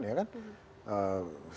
menentukan pilihan ya kan